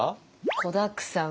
子だくさん。